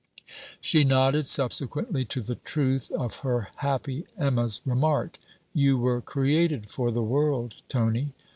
She nodded subsequently to the truth of her happy Emma's remark: 'You were created for the world, Tony.'